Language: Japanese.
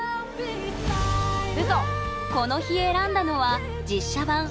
この日選んだのは実写版「アラジン」。